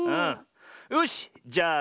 よしじゃあ